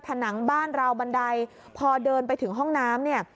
ผนังบ้านราวบันไดพอเดินไปถึงห้องน้ำเนี่ย